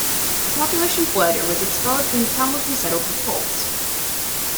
The population fled or was expelled and the town was resettled with Poles.